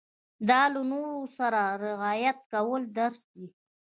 دا له نورو سره د رعايت کولو درس دی.